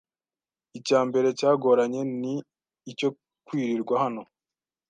Icyambere cyagoranye ni icyo kwirirwa hano